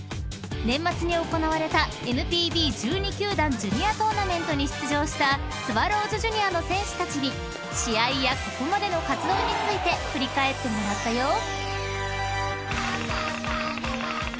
［年末に行われたＮＰＢ１２球団ジュニアトーナメントに出場したスワローズジュニアの選手たちに試合やここまでの活動について振り返ってもらったよ］